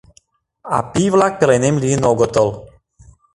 А пий-влак пеленем лийын огытыл.